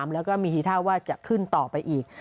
แล้วก็มีทีท่าว่าจะขึ้นต่อไปอีก